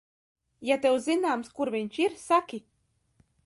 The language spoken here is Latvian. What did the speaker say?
Ja tev zināms, kur viņš ir, saki.